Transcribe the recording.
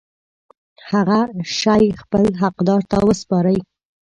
هغه شی خپل حقدار ته وسپاري.